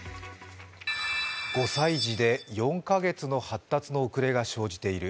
５歳児で４か月の発達の遅れが生じている。